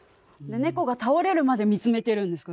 猫が倒れるまで見つめてるんです